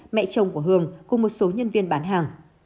mẹ chồng của hường cùng một số nhân viên bán hàng